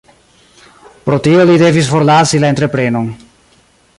Pro tio li devis forlasi la entreprenon.